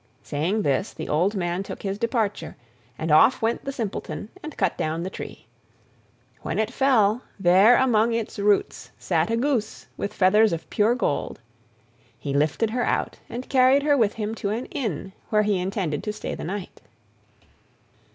Saying this the old man took his departure, and off went the Simpleton and cut down the tree. When it fell, there among its roots sat a goose, with feathers of pure gold. He lifted her out, and carried her with him to an inn where he intended to stay the night.